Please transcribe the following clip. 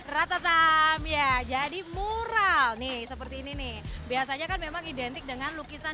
ratatan ya jadi mural nih seperti ini nih biasanya kan memang identik dengan lukisan